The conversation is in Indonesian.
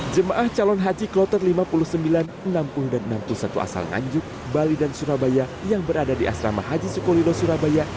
jemaah calon haji kloter lima puluh sembilan enam puluh dan enam puluh satu asal nganjuk bali dan surabaya yang berada di asrama haji sukolilo surabaya